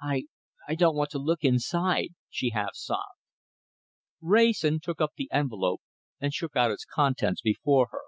"I I don't want to look inside," she half sobbed. Wrayson took up the envelope and shook out its contents before her.